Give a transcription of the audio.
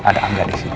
ada angga disini oke